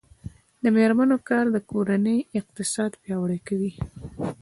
د میرمنو کار د کورنۍ اقتصاد پیاوړی کوي.